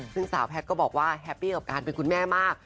ซึ่งสาวแพทย์ก็บอกว่าแฮปปี้กับการเป็นคุณแม่มาก